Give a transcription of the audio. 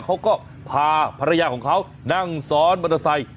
เขาก็พาภรรยาของเขานั่งซ้อนมอเตอร์ไซค์